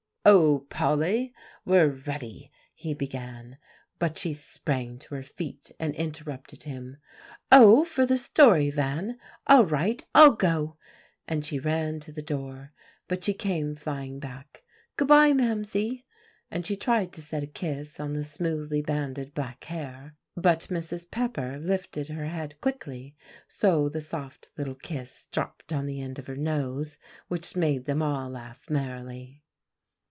"O Polly! we're ready," he began; but she sprang to her feet and interrupted him. "Oh! for the story, Van? All right, I'll go;" and she ran to the door, but she came flying back. "Good by, Mamsie;" and she tried to set a kiss on the smoothly banded black hair, but Mrs. Pepper lifted her head quickly, so the soft little kiss dropped on the end of her nose, which made them all laugh merrily.